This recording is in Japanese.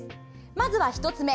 まずは１つ目。